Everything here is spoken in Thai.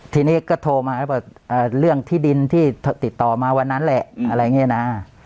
ทีนี้ก็โทรมาบอกเรื่องที่ดินที่ติดต่อมาวันนั้นแหละอะไรอย่างนี้นะ